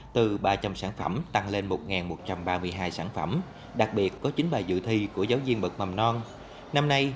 từ ba trăm linh sản phẩm tăng lên một một trăm ba mươi hai sản phẩm đặc biệt có chín bài dự thi của giáo viên bậc mầm non